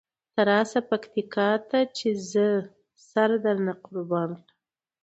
ته راسه پکتیکا ته چې زه سره درنه قربانه کړم.